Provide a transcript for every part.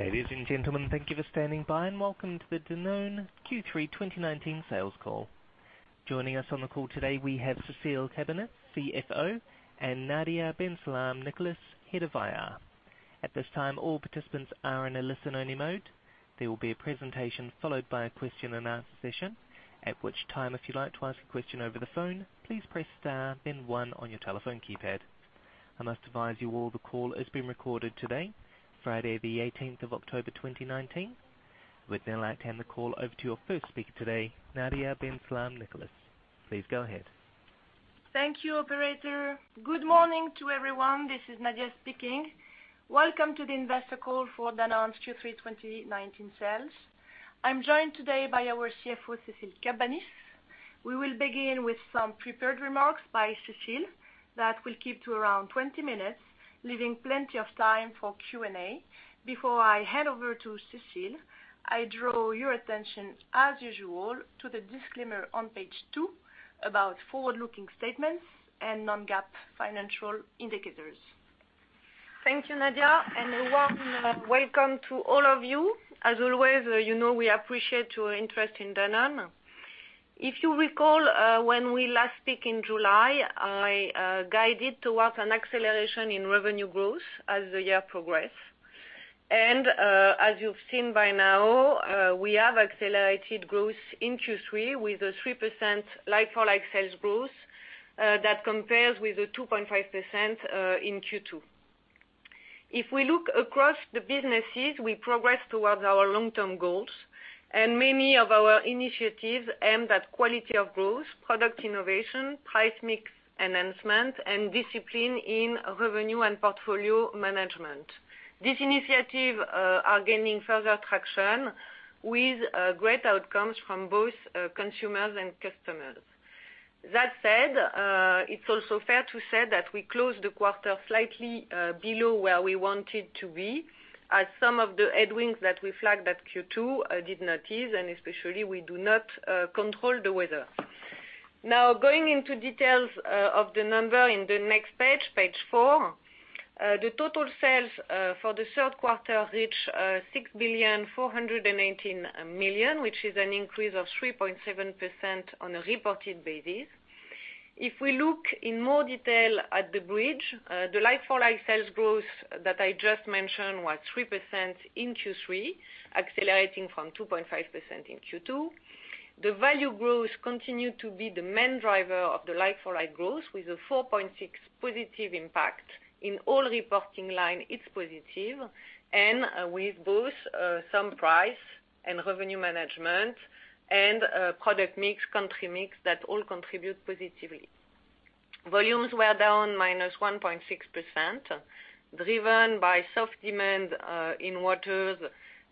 Ladies and gentlemen, thank you for standing by, and welcome to the Danone Q3 2019 sales call. Joining us on the call today, we have Cécile Cabanis, CFO, and Nadia Ben Salem-Nicolas, Head of IR. At this time, all participants are in a listen-only mode. There will be a presentation followed by a question and answer session. At which time, if you'd like to ask a question over the phone, please press star, then one on your telephone keypad. I must advise you all the call is being recorded today, Friday the 18th of October 2019. We'd now like to hand the call over to your first speaker today, Nadia Ben Salem-Nicolas. Please go ahead. Thank you, operator. Good morning to everyone. This is Nadia speaking. Welcome to the investor call for Danone's Q3 2019 sales. I'm joined today by our CFO, Cécile Cabanis. We will begin with some prepared remarks by Cécile that will keep to around 20 minutes, leaving plenty of time for Q&A. Before I hand over to Cécile, I draw your attention, as usual, to the disclaimer on page two about forward-looking statements and non-GAAP financial indicators. Thank you, Nadia, and a warm welcome to all of you. As always, you know we appreciate your interest in Danone. If you recall, when we last speak in July, I guided towards an acceleration in revenue growth as the year progress. As you've seen by now, we have accelerated growth in Q3 with a 3% like-for-like sales growth. That compares with a 2.5% in Q2. If we look across the businesses, we progress towards our long-term goals, and many of our initiatives aim at quality of growth, product innovation, price mix enhancement, and discipline in revenue and portfolio management. This initiative are gaining further traction with great outcomes from both consumers and customers. That said, it's also fair to say that we closed the quarter slightly below where we wanted to be, as some of the headwinds that we flagged at Q2 did not ease, especially we do not control the weather. Going into details of the number in the next page four. The total sales for the third quarter reached 6 billion 418 million, which is an increase of 3.7% on a reported basis. If we look in more detail at the bridge, the like-for-like sales growth that I just mentioned was 3% in Q3, accelerating from 2.5% in Q2. The value growth continued to be the main driver of the like-for-like growth, with a 4.6 positive impact. In all reporting line, it's positive, and with both some price and revenue management and product mix, country mix, that all contribute positively. Volumes were down -1.6%, driven by soft demand in Waters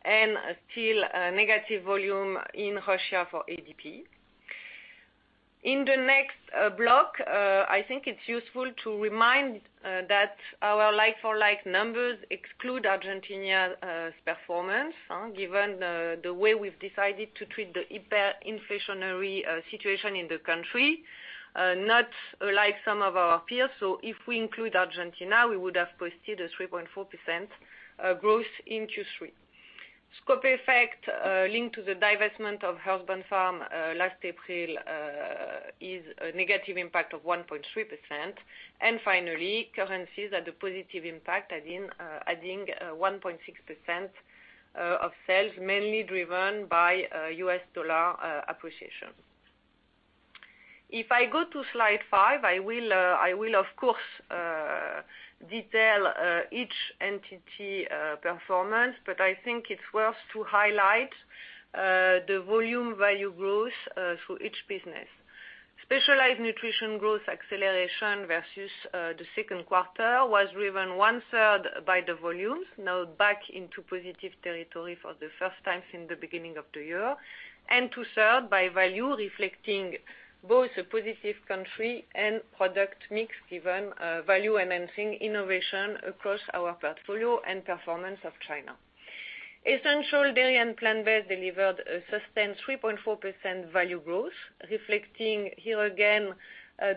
and still negative volume in Russia for EDP. In the next block, I think it's useful to remind that our like-for-like numbers exclude Argentina's performance, given the way we've decided to treat the hyperinflationary situation in the country, not like some of our peers. If we include Argentina, we would have posted a 3.4% growth in Q3. Scope effect linked to the divestment of Earthbound Farm last April is a negative impact of 1.3%. Finally, currencies had a positive impact, adding 1.6% of sales, mainly driven by U.S. dollar appreciation. If I go to slide five, I will, of course, detail each entity performance, but I think it's worth to highlight the volume value growth through each business. Specialized Nutrition growth acceleration versus the second quarter was driven one-third by the volumes, now back into positive territory for the first time since the beginning of the year. Two-third by value, reflecting both a positive country and product mix, given value-enhancing innovation across our portfolio and performance of China. Essential Dairy and Plant-based delivered a sustained 3.4% value growth, reflecting here again,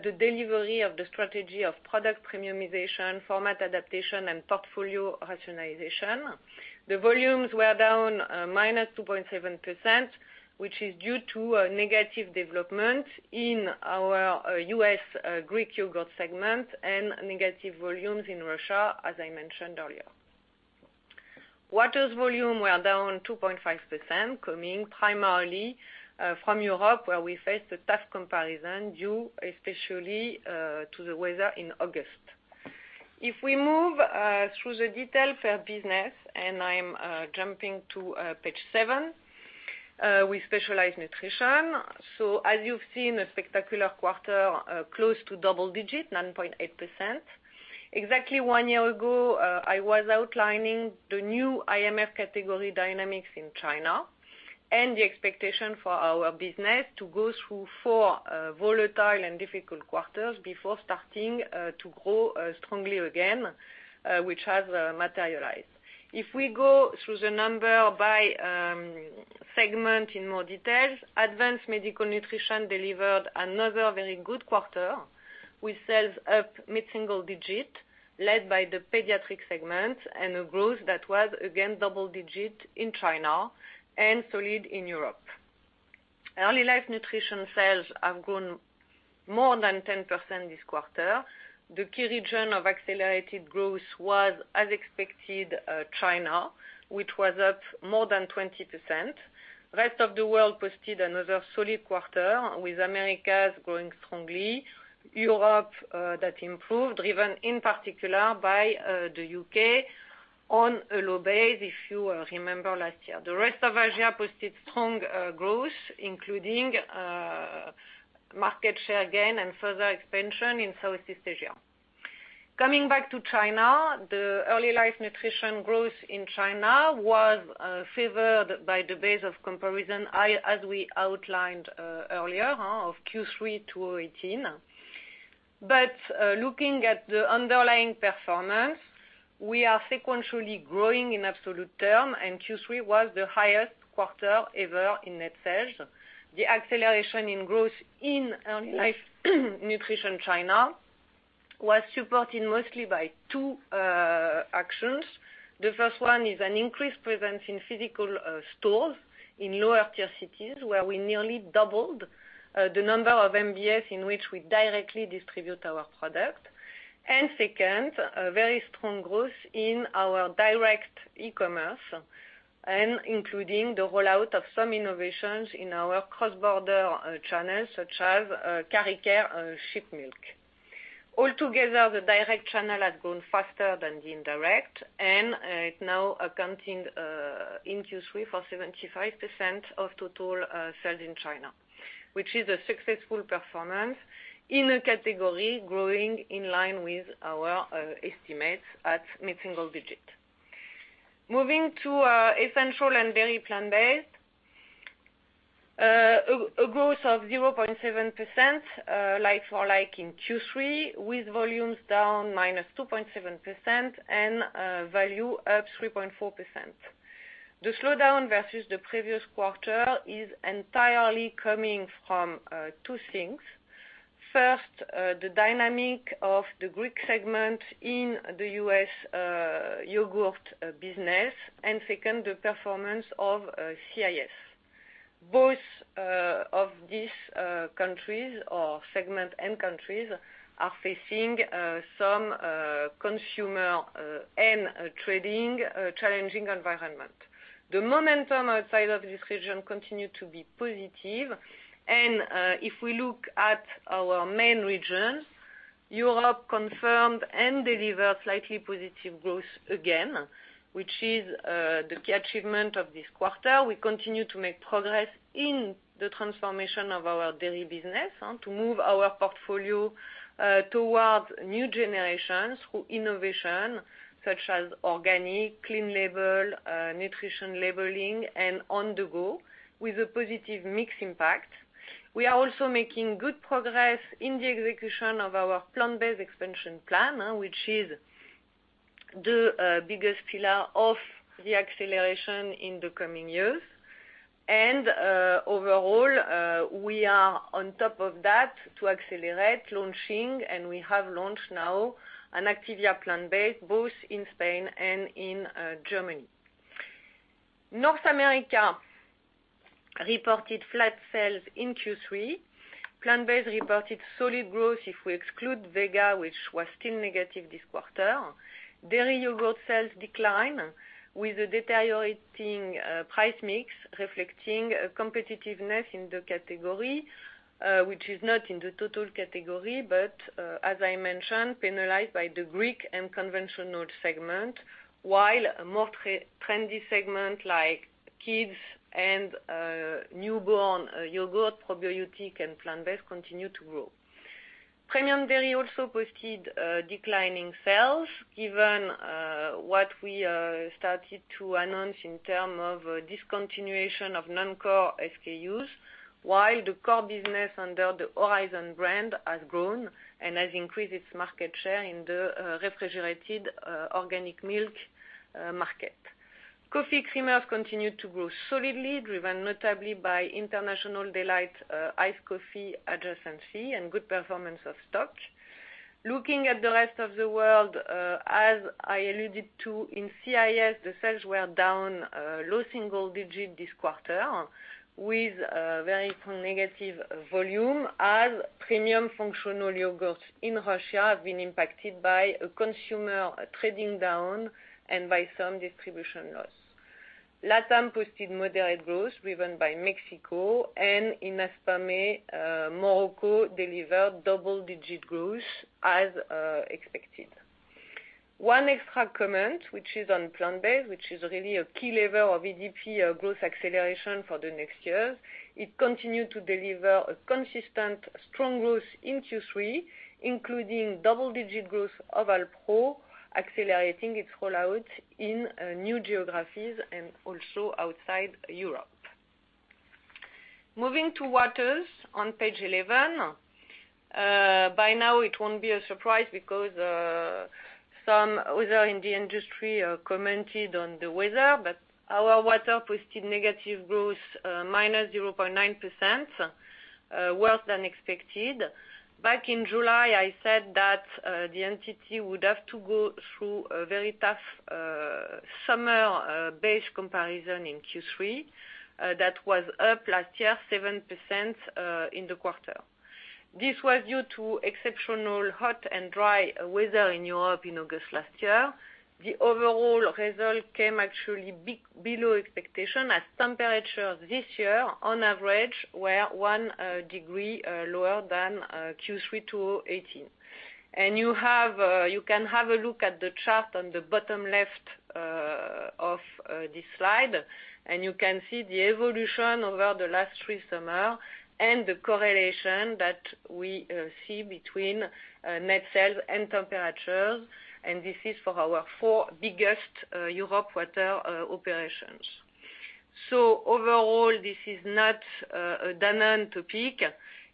the delivery of the strategy of product premiumization, format adaptation, and portfolio rationalization. The volumes were down -2.7%, which is due to a negative development in our U.S. Greek yogurt segment and negative volumes in Russia, as I mentioned earlier. Waters volume were down 2.5%, coming primarily from Europe, where we face a tough comparison due especially to the weather in August. If we move through the detail per business, I'm jumping to page seven, with Specialized Nutrition. As you've seen, a spectacular quarter, close to double digit, 9.8%. Exactly one year ago, I was outlining the new IMF category dynamics in China and the expectation for our business to go through four volatile and difficult quarters before starting to grow strongly again, which has materialized. We go through the number by segment in more details, Advanced Medical Nutrition delivered another very good quarter with sales up mid-single digit, led by the pediatric segment and a growth that was again double digit in China and solid in Europe. Early Life Nutrition sales have grown more than 10% this quarter. The key region of accelerated growth was, as expected, China, which was up more than 20%. Rest of the world posted another solid quarter, with Americas growing strongly. Europe, that improved, driven in particular by the U.K. on a low base, if you remember last year. The rest of Asia posted strong growth, including market share gain and further expansion in Southeast Asia. Coming back to China, the Early Life Nutrition growth in China was favored by the base of comparison, as we outlined earlier, of Q3 2018. Looking at the underlying performance, we are sequentially growing in absolute term, and Q3 was the highest quarter ever in net sales. The acceleration in growth in Early Life Nutrition China was supported mostly by two actions. The first one is an increased presence in physical stores in lower tier cities, where we nearly doubled the number of MBS in which we directly distribute our product. Second, a very strong growth in our direct e-commerce, and including the rollout of some innovations in our cross-border channels, such as Karicare sheep milk. All together, the direct channel has grown faster than the indirect and it now accounting in Q3 for 75% of total sales in China, which is a successful performance in a category growing in line with our estimates at mid-single digit. Moving to Essential Dairy and Plant-based. A growth of 0.7% like-for-like in Q3 with volumes down -2.7% and value up 3.4%. The slowdown versus the previous quarter is entirely coming from two things. First, the dynamic of the Greek segment in the U.S. yogurt business, and second, the performance of CIS. Both of these countries or segment end countries are facing some consumer and trading challenging environment. The momentum outside of this region continued to be positive. If we look at our main regions, Europe confirmed and delivered slightly positive growth again, which is the key achievement of this quarter. We continue to make progress in the transformation of our dairy business and to move our portfolio towards new generations through innovation such as organic, clean label, nutrition labeling and on the go with a positive mix impact. We are also making good progress in the execution of our plant-based expansion plan, which is the biggest pillar of the acceleration in the coming years. Overall, we are on top of that to accelerate launching, and we have launched now an Activia Plant Based, both in Spain and in Germany. North America reported flat sales in Q3. Plant-based reported solid growth if we exclude Vega, which was still negative this quarter. Dairy yogurt sales decline with a deteriorating price mix, reflecting competitiveness in the category, which is not in the total category, but as I mentioned, penalized by the Greek and conventional segment. While more trendy segment like kids and newborn yogurt, probiotic and plant-based continue to grow. Premium dairy also posted declining sales given what we started to announce in term of discontinuation of non-core SKUs, while the core business under the Horizon brand has grown and has increased its market share in the refrigerated organic milk market. Coffee creamers continued to grow solidly, driven notably by International Delight iced coffee adjacency and good performance of Stok. Looking at the rest of the world, as I alluded to in CIS, the sales were down low single-digit this quarter with very negative volume as premium functional yogurts in Russia have been impacted by a consumer trading down and by some distribution loss. LATAM posted moderate growth driven by Mexico and in AMEA, Morocco delivered double-digit growth as expected. One extra comment, which is on plant-based, which is really a key lever of EDP growth acceleration for the next years. It continued to deliver a consistent strong growth in Q3, including double-digit growth of Alpro, accelerating its rollout in new geographies and also outside Europe. Moving to Waters on page 11. By now, it won't be a surprise because some others in the industry commented on the weather, but our water posted negative growth, -0.9%, worse than expected. Back in July, I said that the entity would have to go through a very tough summer base comparison in Q3, that was up last year 7% in the quarter. This was due to exceptional hot and dry weather in Europe in August last year. The overall result came actually below expectation as temperatures this year, on average, were one degree lower than Q3 2018. You can have a look at the chart on the bottom left of this slide, you can see the evolution over the last three summer and the correlation that we see between net sales and temperatures, and this is for our four biggest Europe Waters operations. Overall, this is not a Danone topic.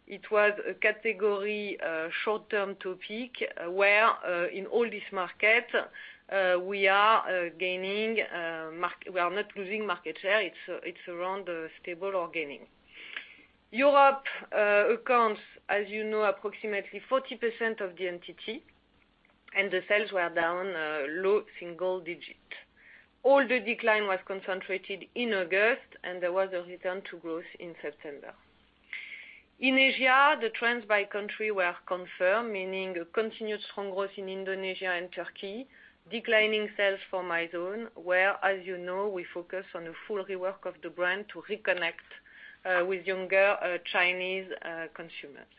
It was a category short-term topic where, in all this market, we are not losing market share. It's around stable or gaining. Europe accounts, as you know, approximately 40% of the entity, and the sales were down low single digit. All the decline was concentrated in August, and there was a return to growth in September. In Asia, the trends by country were confirmed, meaning a continued strong growth in Indonesia and Turkey, declining sales for Mizone, where, as you know, we focus on a full rework of the brand to reconnect with younger Chinese consumers.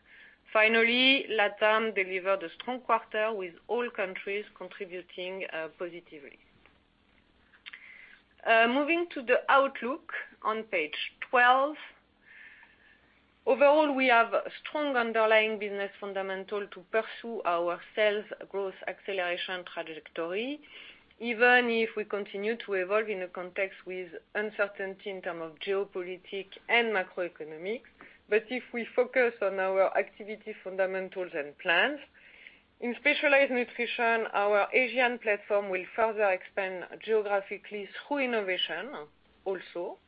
Finally, LatAm delivered a strong quarter with all countries contributing positively. Moving to the outlook on page 12. Overall, we have strong underlying business fundamental to pursue our sales growth acceleration trajectory, even if we continue to evolve in a context with uncertainty in term of geopolitics and macroeconomics. If we focus on our activity fundamentals and plans, in Specialized Nutrition, our Asian platform will further expand geographically through innovation also,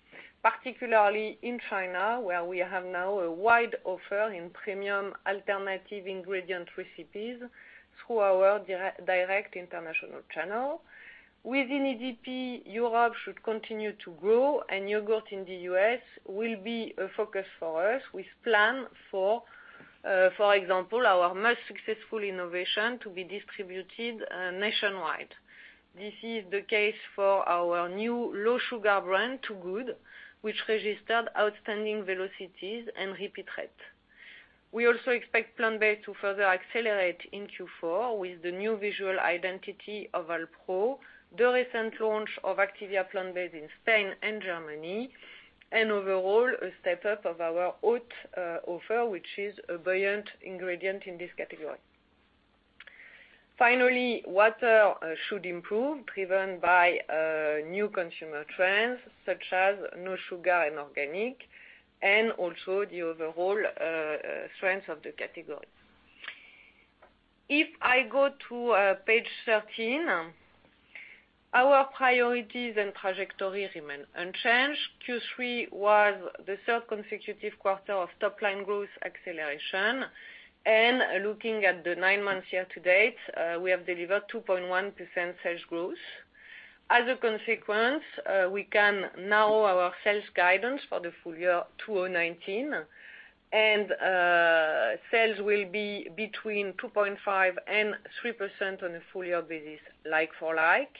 particularly in China, where we have now a wide offer in premium alternative ingredient recipes through our direct international channel. Within EDP, Europe should continue to grow and yogurt in the U.S. will be a focus for us. We plan for example, our most successful innovation to be distributed nationwide. This is the case for our new low sugar brand, Two Good, which registered outstanding velocities and repeat rate. We also expect plant-based to further accelerate in Q4 with the new visual identity of Alpro, the recent launch of Activia Plant Based in Spain and Germany, and overall, a step-up of our oat offer, which is a buoyant ingredient in this category. Finally, Waters should improve, driven by new consumer trends, such as no sugar and organic, and also the overall strength of the category. If I go to page 13, our priorities and trajectory remain unchanged. Q3 was the third consecutive quarter of top-line growth acceleration. Looking at the nine months year-to-date, we have delivered 2.1% sales growth. As a consequence, we can now our sales guidance for the full year 2019, and sales will be between 2.5% and 3% on a full year basis, like-for-like.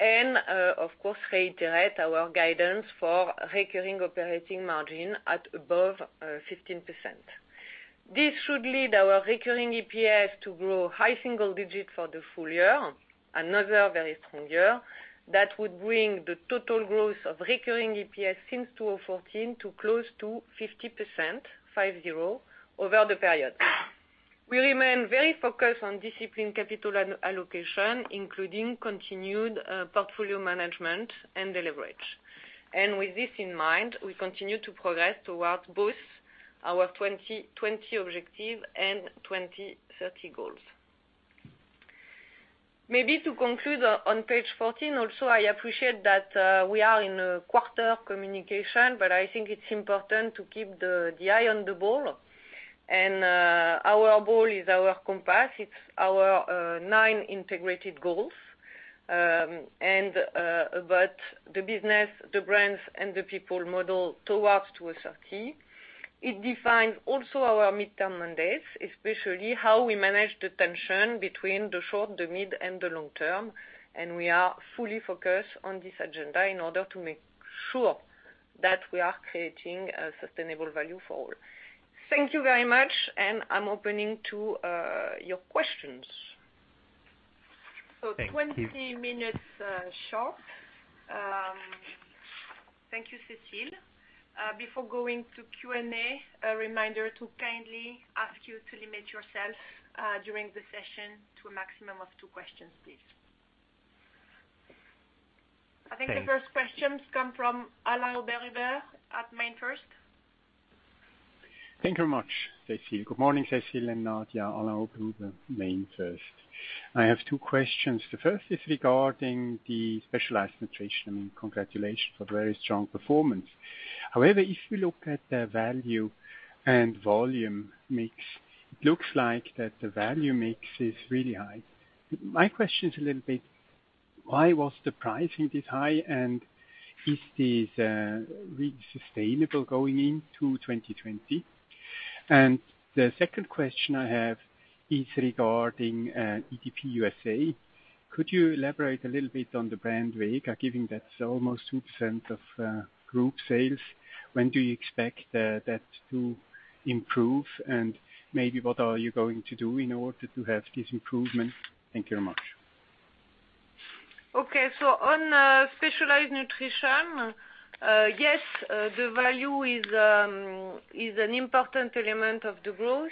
Of course, reiterate our guidance for recurring operating margin at above 15%. This should lead our recurring EPS to grow high single digit for the full year, another very strong year, that would bring the total growth of recurring EPS since 2014 to close to 50%, five, zero, over the period. We remain very focused on disciplined capital allocation, including continued portfolio management and de-leverage. With this in mind, we continue to progress towards both our 2020 objective and 2030 goals. Maybe to conclude on page 14, also, I appreciate that we are in a quarter communication. I think it's important to keep the eye on the ball, and our ball is our compass. It's our nine integrated goals, about the business, the brands, and the people model towards 2030. It defines also our midterm mandates, especially how we manage the tension between the short, the mid, and the long term. We are fully focused on this agenda in order to make sure that we are creating a sustainable value for all. Thank you very much. I'm opening to your questions. Thank you. 20 minutes sharp. Thank you, Cécile. Before going to Q&A, a reminder to kindly ask you to limit yourself during the session to a maximum of two questions, please. Thanks. I think the first questions come from Alain Oberhuber at MainFirst. Thank you very much, Cécile. Good morning, Cécile and Nadia. Alain Oberhuber, MainFirst. I have two questions. The first is regarding the Specialized Nutrition, and congratulations for very strong performance. However, if we look at the value and volume mix, it looks like that the value mix is really high. My question is a little bit, why was the pricing this high, and is this really sustainable going into 2020? The second question I have is regarding EDP U.S.A. Could you elaborate a little bit on the brand Vega, given that's almost 2% of group sales? When do you expect that to improve? Maybe what are you going to do in order to have this improvement? Thank you very much. On Specialized Nutrition, yes, the value is an important element of the growth,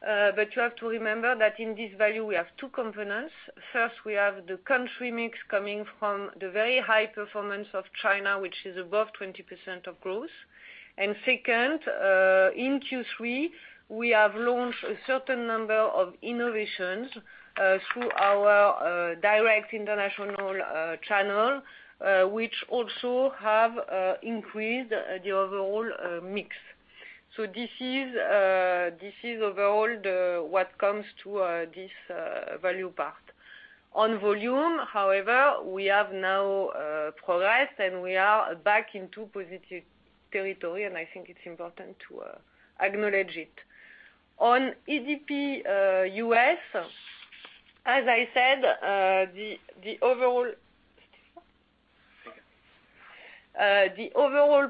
but you have to remember that in this value, we have two components. First, we have the country mix coming from the very high performance of China, which is above 20% of growth. Second, in Q3, we have launched a certain number of innovations through our direct international channel, which also have increased the overall mix. This is overall what comes to this value part. On volume, however, we have now progressed, and we are back into positive territory, and I think it's important to acknowledge it. On EDP U.S., as I said, the overall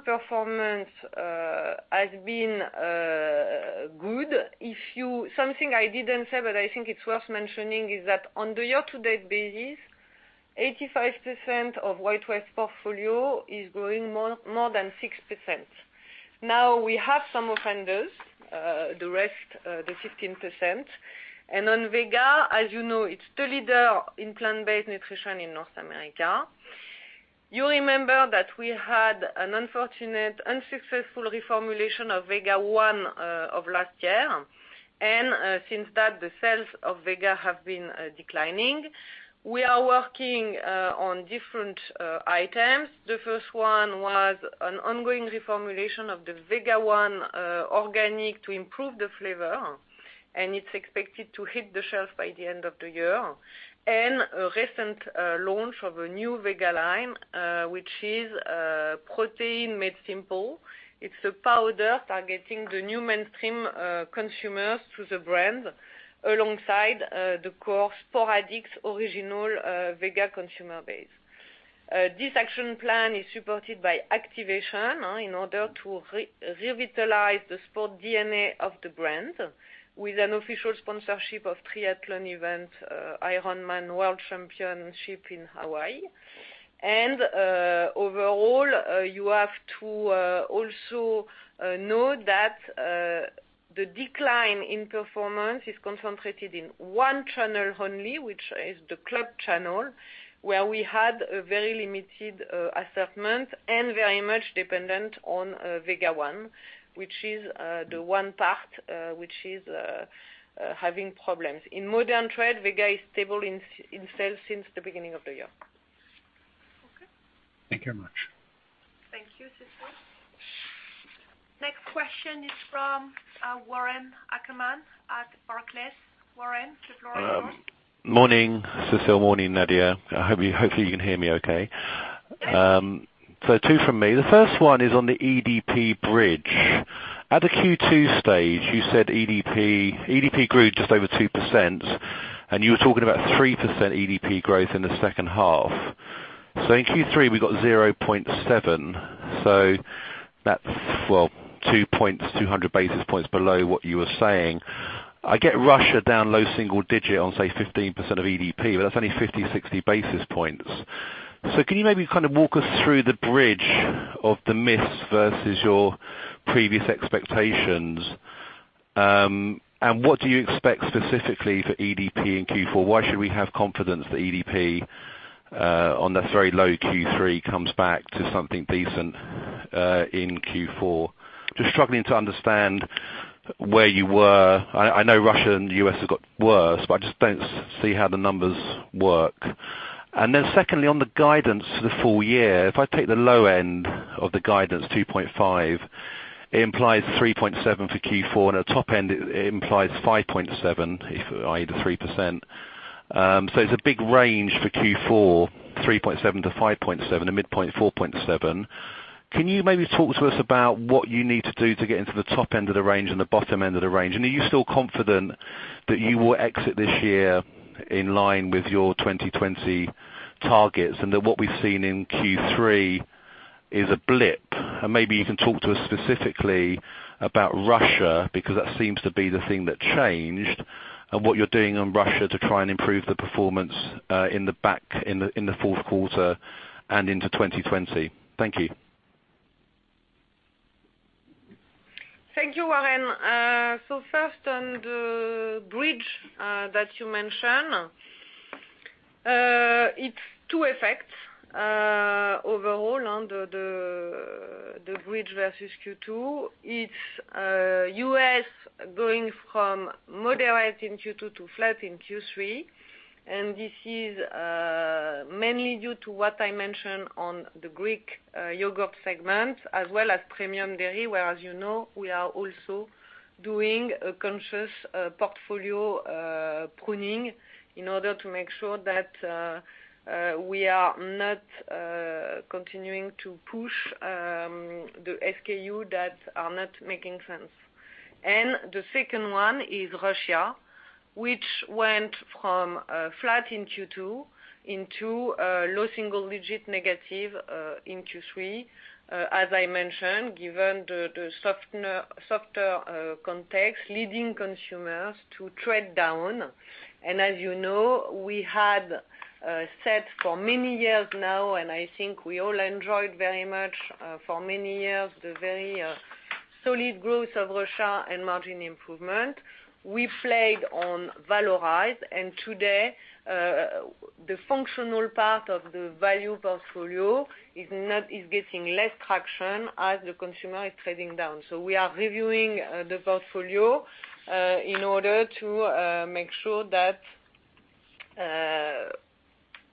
performance has been good. Something I didn't say, but I think it's worth mentioning, is that on the year-to-date basis, 85% of WhiteWave portfolio is growing more than 6%. We have some offenders, the rest, the 15%. On Vega, as you know, it's the leader in plant-based nutrition in North America. You remember that we had an unfortunate, unsuccessful reformulation of Vega One of last year, and since that, the sales of Vega have been declining. We are working on different items. The first one was an ongoing reformulation of the Vega One organic to improve the flavor, and it's expected to hit the shelf by the end of the year. A recent launch of a new Vega line, which is Protein Made Simple. It's a powder targeting the new mainstream consumers to the brand alongside the core sporadic original Vega consumer base. This action plan is supported by activation in order to revitalize the sport DNA of the brand with an official sponsorship of triathlon event, Ironman World Championship in Hawaii. Overall, you have to also note that the decline in performance is concentrated in one channel only, which is the club channel, where we had a very limited assortment and very much dependent on Vega One, which is the one part which is having problems. In modern trade, Vega is stable in sales since the beginning of the year. Okay. Thank you very much. Thank you, Cécile. Next question is from Warren Ackerman at Barclays. Warren, the floor is yours. Morning, Cécile. Morning, Nadia. Hopefully, you can hear me okay. Yes. Two from me. The first one is on the EDP bridge. At the Q2 stage, you said EDP grew just over 2%, and you were talking about 3% EDP growth in the second half. In Q3, we got 0.7. That's, well, 200 basis points below what you were saying. I get Russia down low single digit on, say, 15% of EDP, but that's only 50, 60 basis points. Can you maybe kind of walk us through the bridge of the miss versus your previous expectations? What do you expect specifically for EDP in Q4? Why should we have confidence that EDP on that very low Q3 comes back to something decent in Q4? Just struggling to understand where you were. I know Russia and U.S. have got worse, but I just don't see how the numbers work. Secondly, on the guidance for the full year, if I take the low end of the guidance, 2.5%, it implies 3.7% for Q4, and at top end, it implies 5.7%, i.e., the 3%. It is a big range for Q4, 3.7%-5.7%, a midpoint 4.7%. Can you maybe talk to us about what you need to do to get into the top end of the range and the bottom end of the range? Are you still confident that you will exit this year in line with your 2020 targets, and that what we've seen in Q3 is a blip? Maybe you can talk to us specifically about Russia, because that seems to be the thing that changed, and what you're doing on Russia to try and improve the performance in the fourth quarter and into 2020. Thank you. Thank you, Warren. First on the bridge that you mentioned. It's two effects overall on the bridge versus Q2. It's U.S. going from moderate in Q2 to flat in Q3, and this is mainly due to what I mentioned on the Greek yogurt segment, as well as premium dairy, where, as you know, we are also doing a conscious portfolio pruning in order to make sure that we are not continuing to push the SKU that are not making sense. The second one is Russia, which went from flat in Q2 into low single-digit negative in Q3. As I mentioned, given the softer context, leading consumers to trade down. As you know, we had said for many years now, and I think we all enjoyed very much for many years, the very solid growth of Russia and margin improvement. We played on valorize, and today, the functional part of the value portfolio is getting less traction as the consumer is trading down. We are reviewing the portfolio in order to make sure that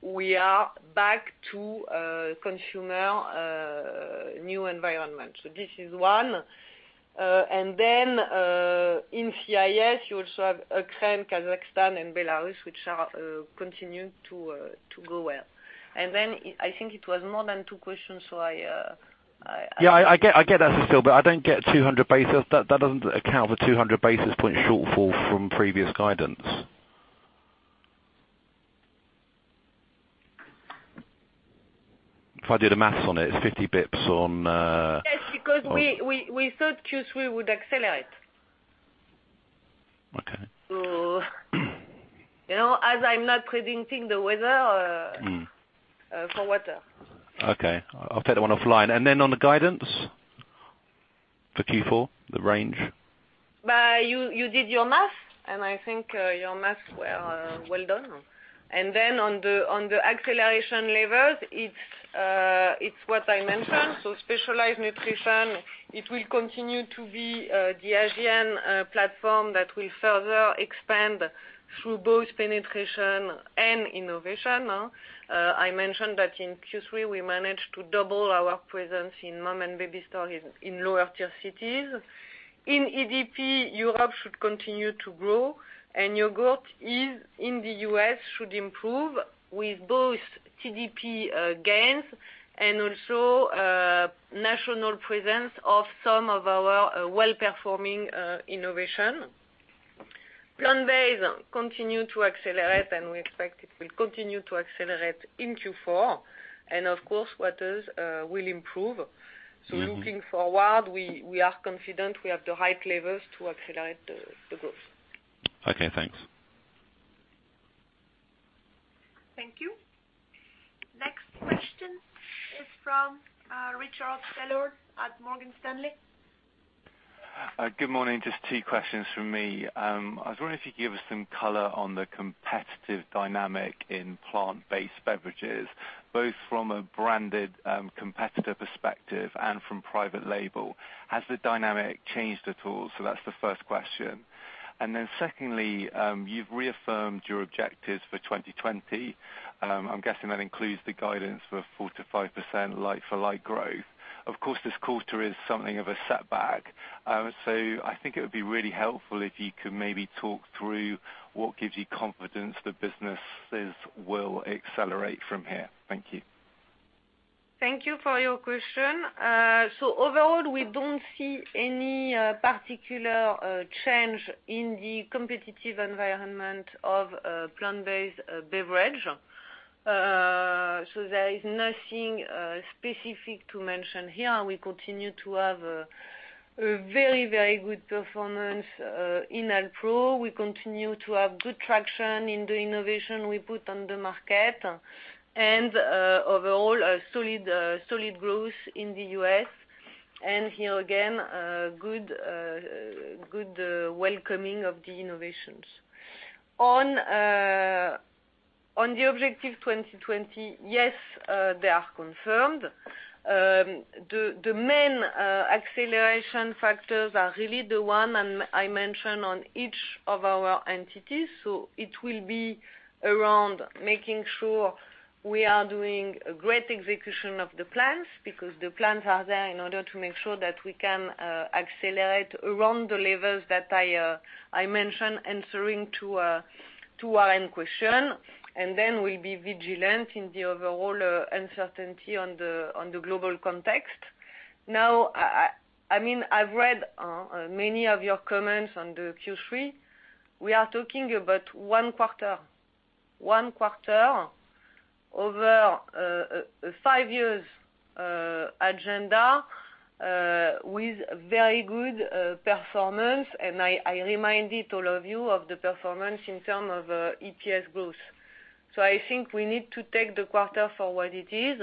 we are back to consumer new environment. This is one. In CIS, you also have Ukraine, Kazakhstan, and Belarus, which are continuing to go well. I think it was more than two questions. Yeah, I get that, Cécile. I don't get 200 basis. That doesn't account for 200 basis point shortfall from previous guidance. If I do the math on it's 50 basis points. Yes, because we thought Q3 would accelerate. Okay. As I'm not predicting the weather. For Waters. Okay. I'll take that one offline. On the guidance for Q4, the range? You did your math, and I think your math were well done. On the acceleration levers, it's what I mentioned. Specialized Nutrition, it will continue to be the Asian platform that will further expand through both penetration and innovation. I mentioned that in Q3, we managed to double our presence in mom and baby store in lower tier cities. In EDP, Europe should continue to grow, and yogurt in the U.S. should improve with both TDP gains and also national presence of some of our well-performing innovation. Plant-based continue to accelerate, and we expect it will continue to accelerate in Q4. Of course, Waters will improve. Looking forward, we are confident we have the right levers to accelerate the growth. Okay, thanks. Thank you. Next question is from Richard Taylor at Morgan Stanley. Good morning. Just two questions from me. I was wondering if you could give us some color on the competitive dynamic in plant-based beverages, both from a branded competitor perspective and from private label. Has the dynamic changed at all? That's the first question. Secondly, you've reaffirmed your objectives for 2020. I'm guessing that includes the guidance for 4%-5% like-for-like growth. Of course, this quarter is something of a setback. I think it would be really helpful if you could maybe talk through what gives you confidence the businesses will accelerate from here. Thank you. Thank you for your question. Overall, we don't see any particular change in the competitive environment of plant-based beverage. There is nothing specific to mention here. We continue to have a very good performance in Alpro. We continue to have good traction in the innovation we put on the market, and overall, a solid growth in the U.S. Here again, good welcoming of the innovations. On the objective 2020, yes, they are confirmed. The main acceleration factors are really the one I mentioned on each of our entities. It will be around making sure we are doing a great execution of the plans, because the plans are there in order to make sure that we can accelerate around the levels that I mentioned answering to one question, and then we'll be vigilant in the overall uncertainty on the global context. I've read many of your comments on the Q3. We are talking about one quarter over a 5-year agenda with very good performance, and I reminded all of you of the performance in terms of EPS growth. I think we need to take the quarter for what it is.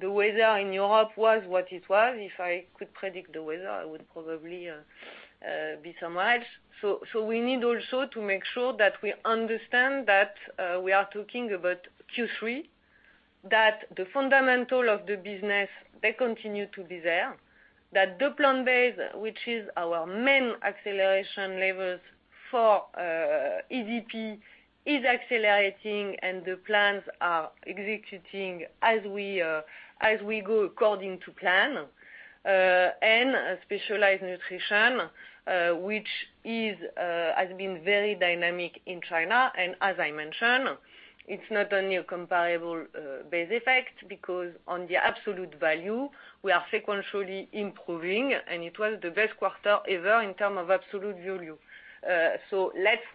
The weather in Europe was what it was. If I could predict the weather, I would probably be surprised. We need also to make sure that we understand that we are talking about Q3, that the fundamentals of the business continue to be there. The plant-based, which is our main acceleration lever for EDP, is accelerating and the plans are executing as we go according to plan. Specialized Nutrition, which has been very dynamic in China. As I mentioned, it's not only a comparable base effect because on the absolute value, we are sequentially improving, and it was the best quarter ever in term of absolute value. Let's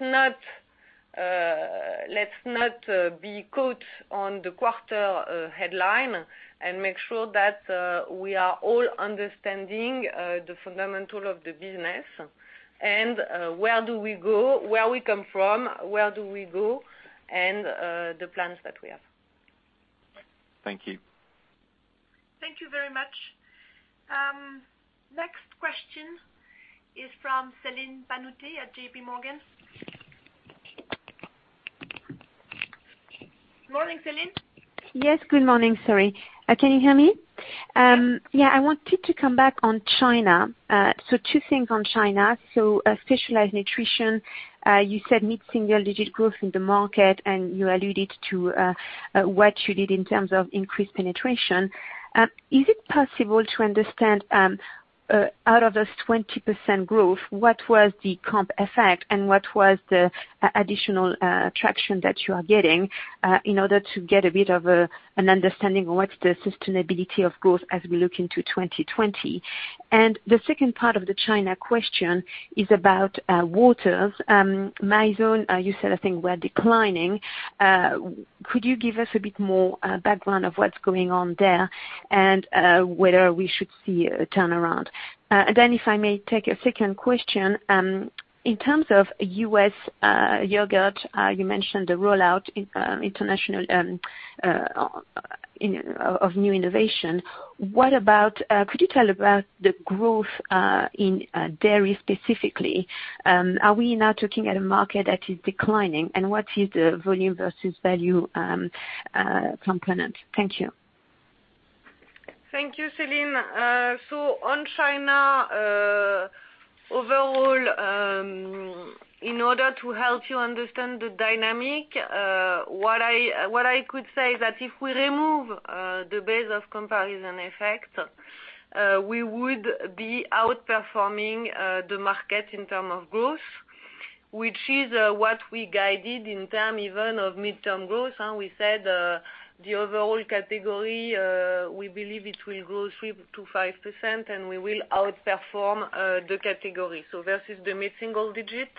not be caught on the quarter headline, and make sure that we are all understanding the fundamental of the business, and where we come from, where do we go, and the plans that we have. Thank you. Thank you very much. Next question is from Celine Pannuti at J.P. Morgan. Morning, Celine. Yes, good morning. Sorry. Can you hear me? Yes. I wanted to come back on China. Two things on China. Specialized Nutrition, you said mid-single digit growth in the market, and you alluded to what you did in terms of increased penetration. Is it possible to understand, out of this 20% growth, what was the comp effect and what was the additional traction that you are getting, in order to get a bit of an understanding of what's the sustainability of growth as we look into 2020? The second part of the China question is about Waters. Mizone, you said, I think, were declining. Could you give us a bit more background of what's going on there, and whether we should see a turnaround? If I may take a second question, in terms of U.S. yogurt, you mentioned the rollout international of new innovation. Could you tell about the growth in dairy specifically? Are we now looking at a market that is declining, and what is the volume versus value component? Thank you. Thank you, Celine. On China, overall, in order to help you understand the dynamic, what I could say is that if we remove the base of comparison effect, we would be outperforming the market in term of growth, which is what we guided in term even of midterm growth. We said, the overall category, we believe it will grow 3%-5% and we will outperform the category. Versus the mid-single digit,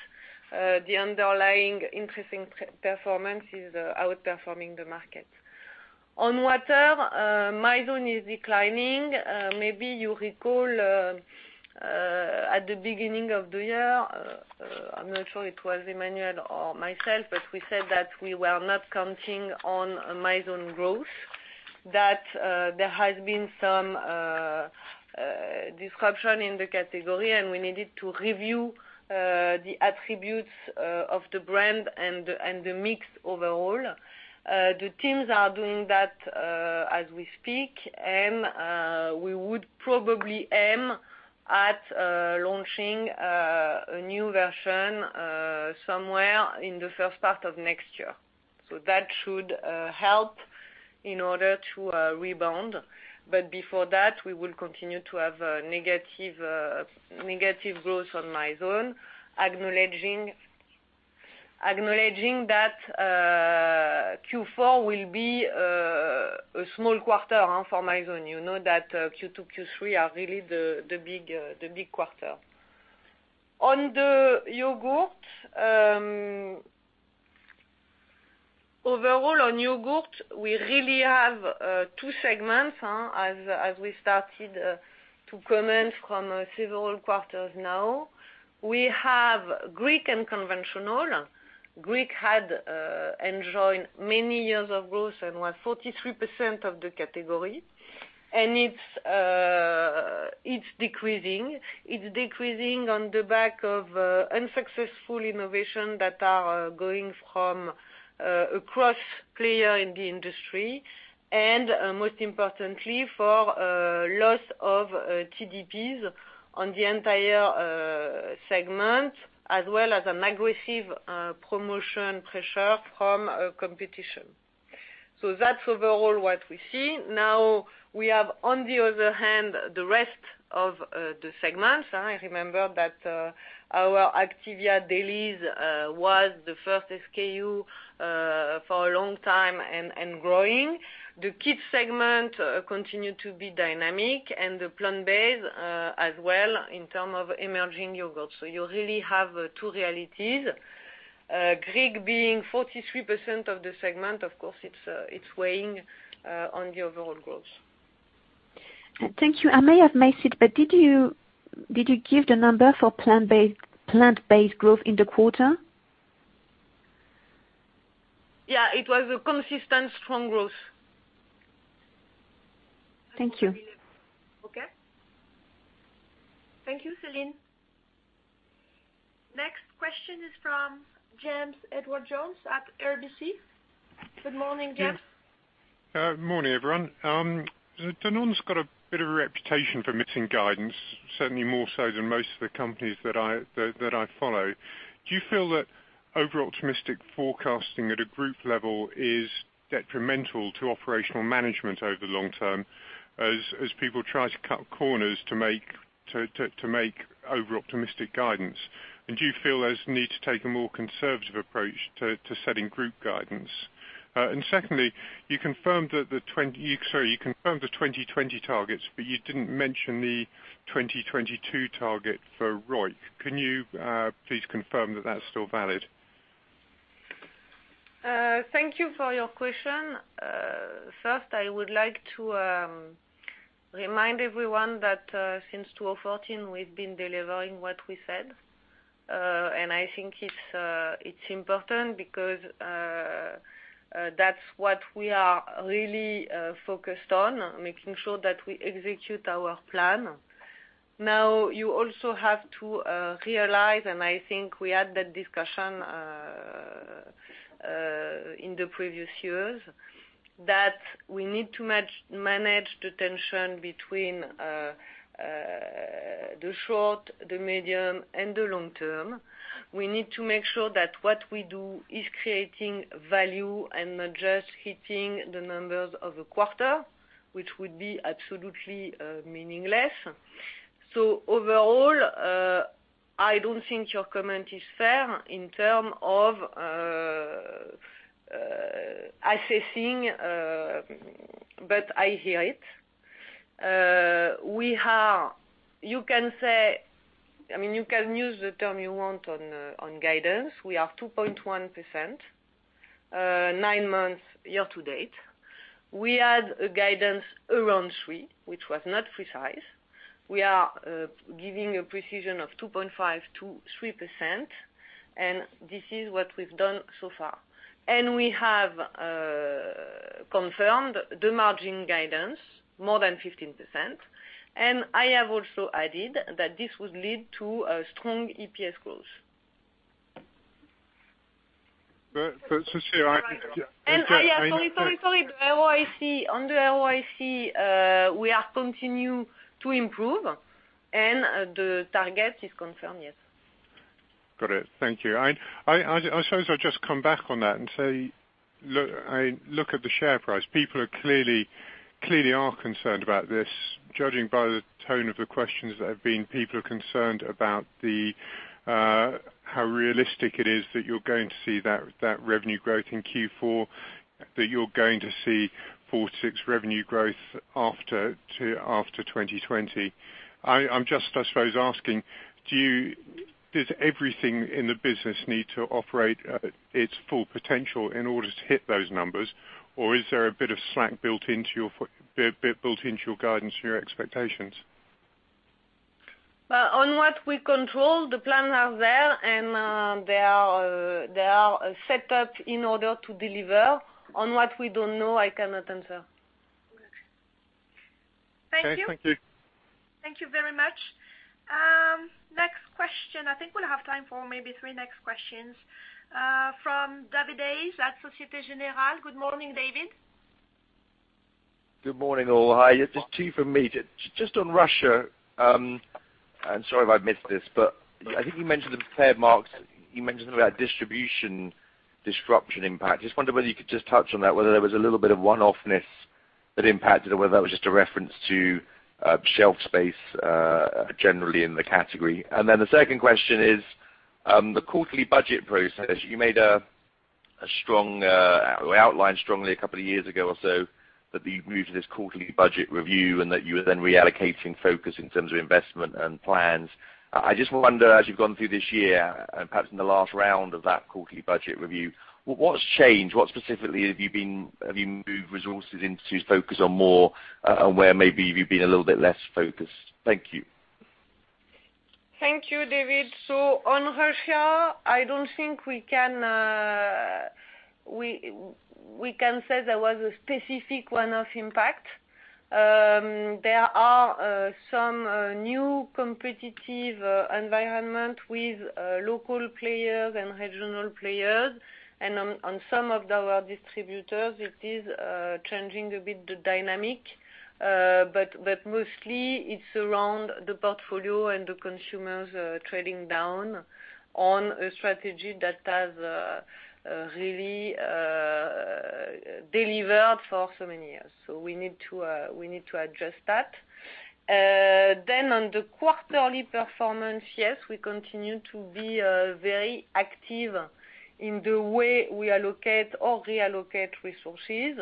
the underlying interesting performance is outperforming the market. On water, Mizone is declining. Maybe you recall, at the beginning of the year, I'm not sure it was Emmanuel or myself, but we said that we were not counting on Mizone growth, that there has been some disruption in the category, and we needed to review the attributes of the brand and the mix overall. The teams are doing that as we speak, and we would probably aim at launching a new version somewhere in the first part of next year. That should help in order to rebound. Before that, we will continue to have negative growth on Mizone, acknowledging that Q4 will be a small quarter for Mizone. You know that Q2, Q3 are really the big quarters. On the yogurt, overall on yogurt, we really have two segments, as we started to comment from several quarters now. We have Greek and conventional. Greek had enjoyed many years of growth and was 43% of the category. It's decreasing. It's decreasing on the back of unsuccessful innovation that are going from across player in the industry, and, most importantly, for loss of TDPs on the entire segment, as well as an aggressive promotion pressure from competition. That's overall what we see. We have, on the other hand, the rest of the segments. I remember that our Activia Dailies was the first SKU for a long time and growing. The kids segment continue to be dynamic and the plant-based as well in terms of emerging yogurt. You really have two realities. Greek being 43% of the segment, of course, it's weighing on the overall growth. Thank you. I may have missed it, but did you give the number for plant-based growth in the quarter? Yeah, it was a consistent strong growth. Thank you. Okay. Thank you, Celine. Next question is from James Edwardes Jones at RBC. Good morning, James. Good morning, everyone. Danone's got a bit of a reputation for missing guidance, certainly more so than most of the companies that I follow. Do you feel that over-optimistic forecasting at a group level is detrimental to operational management over the long term, as people try to cut corners to make over-optimistic guidance? Do you feel those need to take a more conservative approach to setting group guidance? Secondly, you confirmed the 2020 targets, but you didn't mention the 2022 target for ROIC. Can you please confirm that that's still valid? Thank you for your question. First, I would like to remind everyone that since 2014, we've been delivering what we said. I think it's important because that's what we are really focused on, making sure that we execute our plan. You also have to realize, and I think we had that discussion in the previous years, that we need to manage the tension between the short, the medium, and the long term. We need to make sure that what we do is creating value and not just hitting the numbers of a quarter, which would be absolutely meaningless. Overall, I don't think your comment is fair in terms of assessing, but I hear it. You can use the term you want on guidance. We are 2.1% nine months year to date. We had a guidance around three, which was not precise. We are giving a precision of 2.52%-3%, and this is what we've done so far. We have confirmed the margin guidance more than 15%. I have also added that this would lead to a strong EPS growth. Cécile, Yeah, sorry. The ROIC, under ROIC, we are continue to improve, and the target is confirmed, yes. Got it. Thank you. I suppose I'll just come back on that and say, look at the share price. People clearly are concerned about this. Judging by the tone of the questions, people are concerned about how realistic it is that you're going to see that revenue growth in Q4, that you're going to see 4%-6% revenue growth after 2020. I'm just, I suppose, asking, does everything in the business need to operate at its full potential in order to hit those numbers? Is there a bit of slack built into your guidance and your expectations? Well, on what we control, the plans are there, and they are set up in order to deliver. On what we don't know, I cannot answer. Thank you. Okay. Thank you. Thank you very much. Next question. I think we'll have time for maybe three next questions. From David Hayes at Société Générale. Good morning, David. Good morning, all. Hi, it's just 2 from me. Just on Russia, sorry if I missed this, but I think you mentioned the impaired marks. You mentioned something about distribution disruption impact. Just wonder whether you could just touch on that, whether there was a little bit of one-offness that impacted or whether that was just a reference to shelf space generally in the category. Then the 2nd question is, the quarterly budget process. You outlined strongly a couple of years ago or so that you moved to this quarterly budget review and that you were then reallocating focus in terms of investment and plans. I just wonder, as you've gone through this year, perhaps in the last round of that quarterly budget review, what's changed? What specifically have you moved resources into focus on more and where maybe you've been a little bit less focused? Thank you. Thank you, David. On Russia, I don't think we can say there was a specific one-off impact. There are some new competitive environment with local players and regional players, and on some of our distributors, it is changing a bit the dynamic. Mostly, it's around the portfolio and the consumers trading down on a strategy that has really delivered for so many years. We need to adjust that. On the quarterly performance, yes, we continue to be very active in the way we allocate or reallocate resources.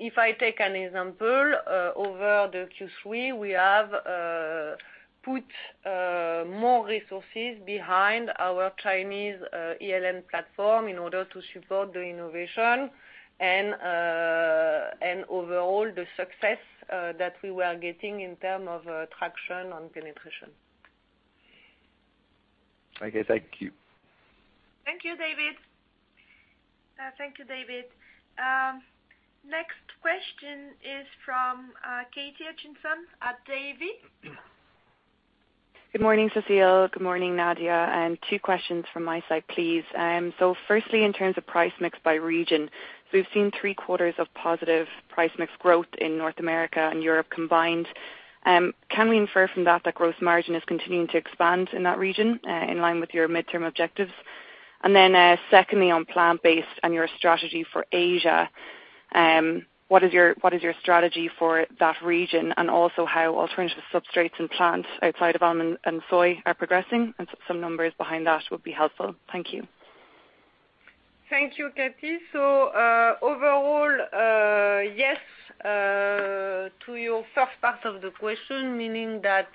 If I take an example, over the Q3, we have put more resources behind our Chinese ELN platform in order to support the innovation and overall the success that we were getting in term of traction on penetration. Okay, thank you. Thank you, David. Next question is from Katy Hutchinson at Davy. Good morning, Cécile. Good morning, Nadia. Two questions from my side, please. Firstly, in terms of price mix by region, so we've seen three quarters of positive price mix growth in North America and Europe combined. Can we infer from that that growth margin is continuing to expand in that region, in line with your midterm objectives? Then secondly, on plant-based and your strategy for Asia, what is your strategy for that region, and also how alternative substrates and plants outside of almond and soy are progressing? Some numbers behind that would be helpful. Thank you. Thank you, Katy. Overall, yes, to your first part of the question, meaning that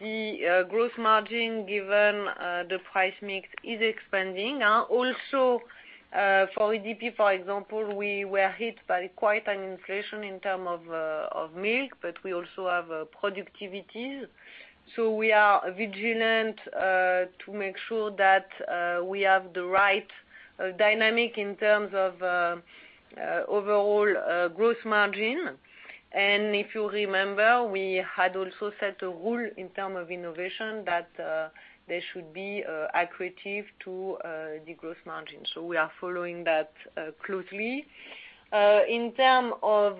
the gross margin given the price/mix is expanding. Also, for EDP, for example, we were hit by quite an inflation in terms of milk, but we also have productivities. We are vigilant to make sure that we have the right dynamic in terms of overall gross margin. If you remember, we had also set a rule in terms of innovation that they should be accretive to the gross margin. We are following that closely. In terms of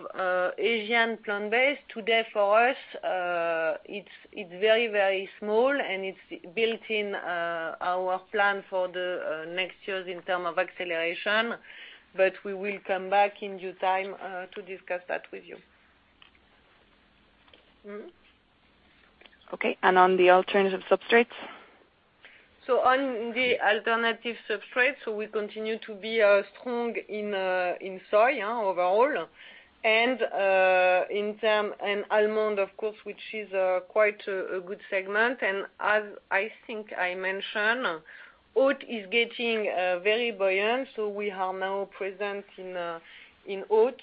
Asian plant-based, today for us, it's very small and it's built in our plan for the next years in terms of acceleration. We will come back in due time to discuss that with you. Okay, on the alternative substrates? On the alternative substrates, we continue to be strong in soy overall, and almond, of course, which is quite a good segment. As I think I mentioned, oat is getting very buoyant, we are now present in oat,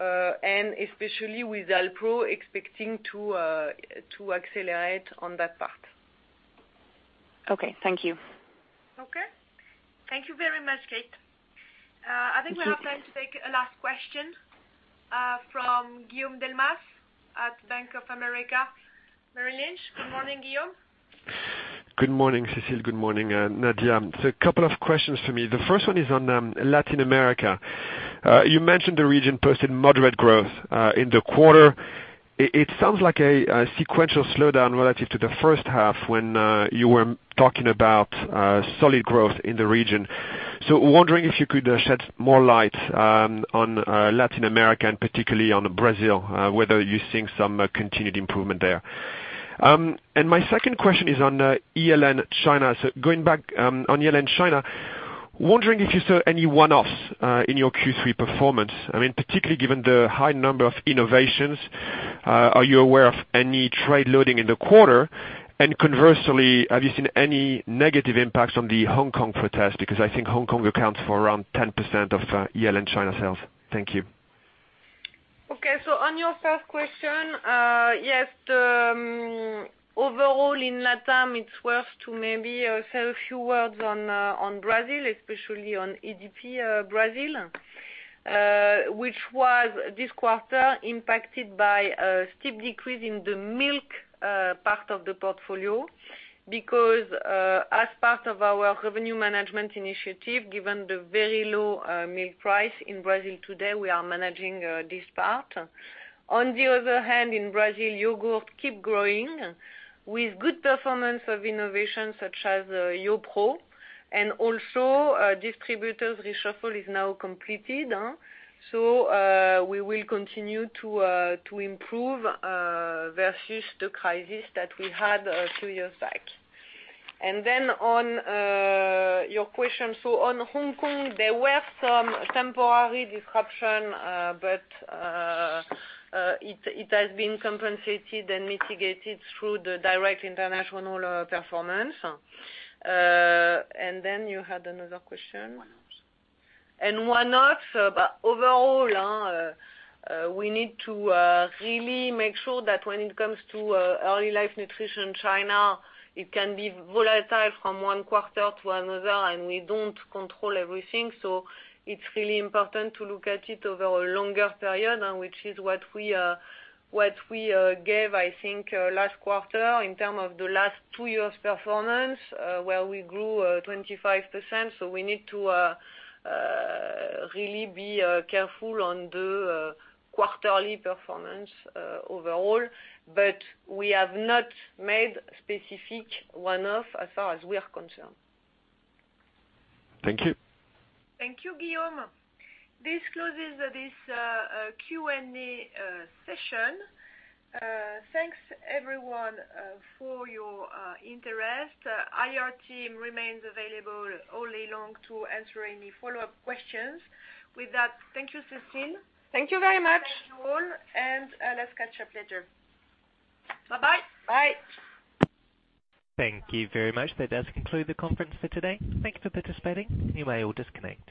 and especially with Alpro expecting to accelerate on that part. Okay. Thank you. Thank you very much, Kate. I think we have time to take a last question, from Guillaume Delmas at Bank of America Merrill Lynch. Good morning, Guillaume. Good morning, Cécile. Good morning, Nadia. A couple of questions for me. The first one is on Latin America. You mentioned the region posted moderate growth, in the quarter. It sounds like a sequential slowdown relative to the first half when you were talking about solid growth in the region. Wondering if you could shed more light on Latin America, and particularly on Brazil, whether you're seeing some continued improvement there. My second question is on ELN China. Going back, on ELN China, wondering if you saw any one-offs in your Q3 performance. I mean, particularly given the high number of innovations, are you aware of any trade loading in the quarter? Conversely, have you seen any negative impacts on the Hong Kong protest? Because I think Hong Kong accounts for around 10% of ELN China sales. Thank you. Okay. On your first question, yes, overall in Latam, it's worth to maybe say a few words on Brazil, especially on EDP Brazil, which was this quarter impacted by a steep decrease in the milk part of the portfolio. As part of our revenue management initiative, given the very low milk price in Brazil today, we are managing this part. In Brazil, yogurt keep growing with good performance of innovation such as YoPRO, distributors reshuffle is now completed. We will continue to improve versus the crisis that we had two years back. On your question, on Hong Kong, there were some temporary disruption, it has been compensated and mitigated through the direct international performance. You had another question? One-offs. One-offs, but overall, we need to really make sure that when it comes to Early Life Nutrition China, it can be volatile from one quarter to another, and we don't control everything. It's really important to look at it over a longer period, which is what we gave, I think, last quarter in term of the last two years' performance, where we grew 25%. We need to really be careful on the quarterly performance overall. We have not made specific one-off as far as we are concerned. Thank you. Thank you, Guillaume. This closes this Q&A session. Thanks everyone for your interest. IR team remains available all day long to answer any follow-up questions. With that, thank you, Cécile. Thank you very much. Thank you all. Let's catch up later. Bye-bye. Bye. Thank you very much. That does conclude the conference for today. Thank you for participating. You may all disconnect.